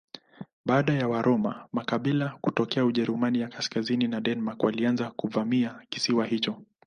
Baada ya Waroma makabila kutoka Ujerumani ya kaskazini na Denmark walianza kuvamia kisiwa hicho.